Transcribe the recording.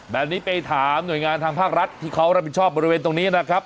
แบบนี้ไปถามหน่วยงานทางภาครัฐที่เขารับผิดชอบบริเวณตรงนี้นะครับ